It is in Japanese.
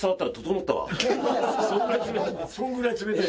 それぐらい冷たい。